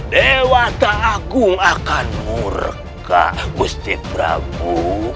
dewa tak agung akan murka gusti prabu